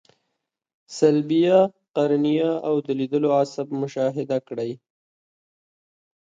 صلبیه، قرنیه او د لیدلو عصب مشاهده کړئ.